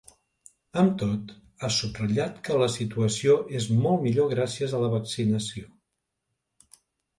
Amb tot, ha subratllat que la situació és molt millor gràcies a la vaccinació.